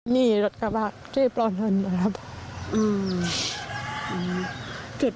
นี่รถกระบาดที่ปลอดภัณฑ์นะครับ